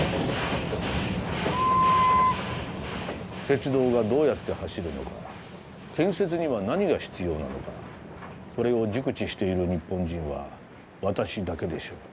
鉄道がどうやって走るのか建設には何が必要なのかそれを熟知している日本人は私だけでしょう。